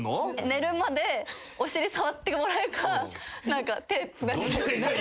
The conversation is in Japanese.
寝るまでお尻触ってもらうか手つないで。